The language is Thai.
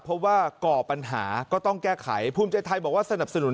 เพราะว่าก่อปัญหาก็ต้องแก้ไขภูมิใจไทยบอกว่าสนับสนุน